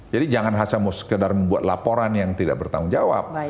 jadi jangan hanya membuat laporan yang tidak bertanggung jawab